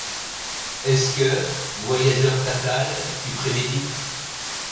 Est-ce que, voyageur fatal, tu prémédites